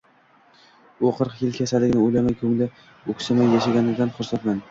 U qirq yil kasalligini o‘ylamay, ko‘ngli o‘ksimay yashaganidan xursandman.